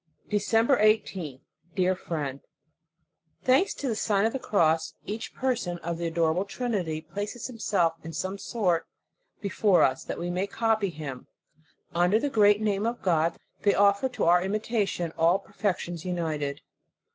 December 18th. DEAR FRIEND : Thanks to the Sign of the Cross, each per son of the adorable Trinity places himself, in some sort, before us, that we may copy Him. Under the great name of God, they offer to our imitation all perfections united.